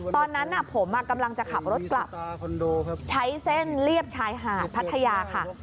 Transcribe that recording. ตอนนั้นผมกำลังจะขับรถกลับใช้เส้นเรียบชายหาดพัทยาค่ะ